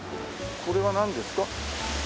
これはなんですか？